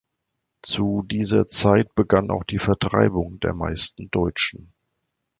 Zu dieser Zeit begann auch die Vertreibung der meisten Deutschen.